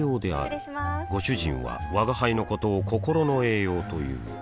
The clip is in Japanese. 失礼しまーすご主人は吾輩のことを心の栄養という